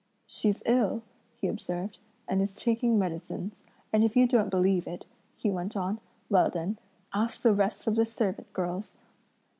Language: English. "She's ill," he observed, "and is taking medicines; and if you don't believe it," he went on, "well then ask the rest of the servant girls."